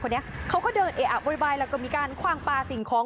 คนนี้เขาก็เดินเออะโวยวายแล้วก็มีการคว่างปลาสิ่งของ